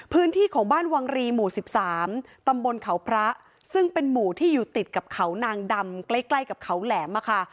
พื้นที่ของบ้านวังรีหมู่๑๓ตำบลเขาพระซึ่งเป็นหมู่ที่อยู่ติดกับเขานางดำใกล้ใกล้กับเขาแหลมค่ะ